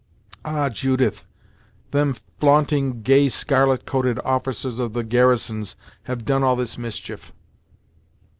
"Ah! Judith, them flaunting, gay, scarlet coated officers of the garrisons have done all this mischief!"